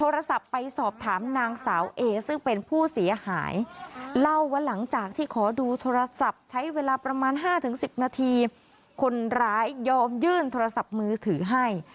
ห้าถึงสิบนาทีคนร้ายยอมยื่นโทรศัพท์มือถือให้